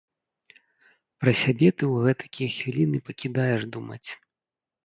Пра сябе ты ў гэтакія хвіліны пакідаеш думаць!